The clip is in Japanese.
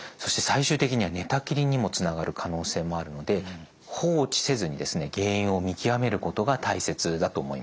最終的には寝たきりにもつながる可能性もあるので放置せずに原因を見極めることが大切だと思います。